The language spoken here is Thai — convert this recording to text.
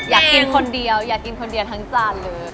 อยากกินคนเดียวอยากกินคนเดียวทั้งจานเลย